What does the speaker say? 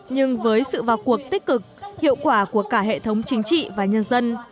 nhưng với sự vào cuộc tích cực hiệu quả của cả hệ thống chính trị và nhân dân